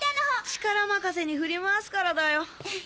力任せに振り回すからだよ。